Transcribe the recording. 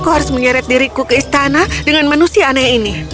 aku harus menyeret diriku ke istana dengan manusia aneh ini